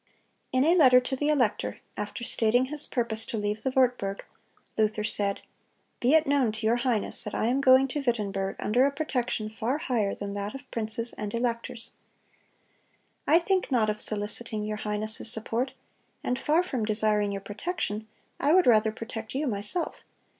In a letter to the elector, after stating his purpose to leave the Wartburg, Luther said: "Be it known to your highness that I am going to Wittenberg under a protection far higher than that of princes and electors. I think not of soliciting your highness' support, and far from desiring your protection, I would rather protect you myself.